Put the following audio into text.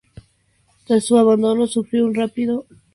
Tras su abandono, sufrió un rápido proceso de degradación y saqueo.